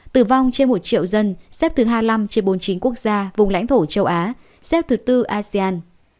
tử vong trên một triệu dân xếp thứ hai mươi năm trên bốn mươi chín quốc gia vùng lãnh thổ châu á xếp thứ tư asean